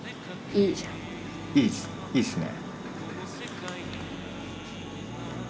いいっすね。